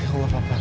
ya allah papa